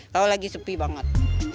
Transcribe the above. kalau lagi sepi banget